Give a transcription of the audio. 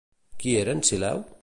Qui era en Sileu?